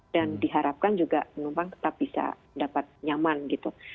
diharapkan juga penumpang tetap bisa dapat nyaman gitu